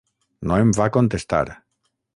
No em va contestar.